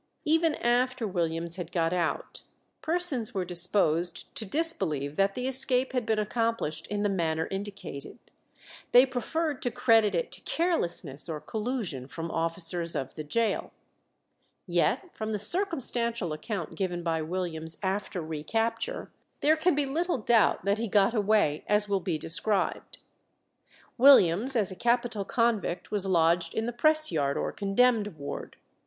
Even after Williams had got out, persons were disposed to disbelieve that the escape had been accomplished in the manner indicated; they preferred to credit it to carelessness or collusion from officers of the gaol. Yet from the circumstantial account given by Williams after recapture, there can be little doubt that he got away as will be described. Williams as a capital convict was lodged in the press yard or condemned ward.